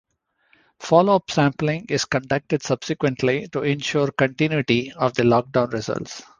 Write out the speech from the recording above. Follow up sampling is conducted subsequently to insure continuity of the lockdown results.